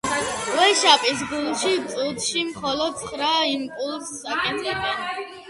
ვეშაპის გული წუთში მხოლოდ ცხრა იმპულსს აკეთებს.